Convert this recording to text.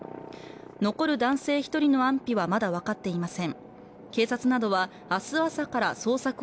残る男性１人の安否はまだ分かっていません。